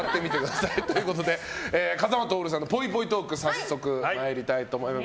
ということで風間トオルさんのぽいぽいトーク早速、参りたいと思います。